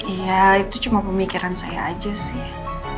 iya itu cuma pemikiran saya aja sih